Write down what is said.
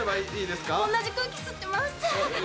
おんなじ空気吸ってます。